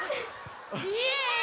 イエーイ！